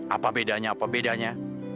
apa bedanya apa bedanya